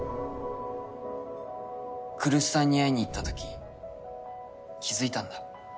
来栖さんに会いにいったとき気付いたんだ。